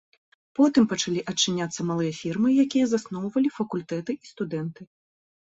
Потым пачалі адчыняцца малыя фірмы, якія засноўвалі факультэты і студэнты.